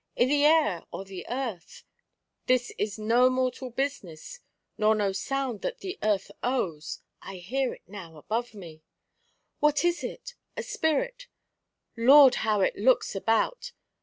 I' the air or the earth ?This is no mortal business, nor no sound that the earth owes— I hear it now above me !What is it ? A spirit ! Lord, how it looks about